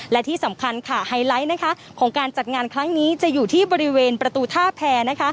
และที่สำคัญค่ะไฮไลท์ของการจัดงานครั้งนี้จะอยู่ที่บริเวณประตูท่าแพร